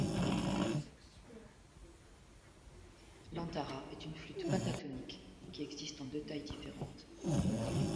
L'antara est une flûte pentatonique qui existe en deux tailles différentes.